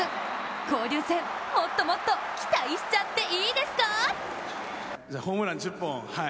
交流戦、もっともっと期待しちゃっていいですか？